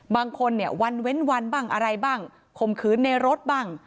บางคนเนี่ยวันเว้นวันบ้างอะไรบ้างข่มขืนในรถบ้าง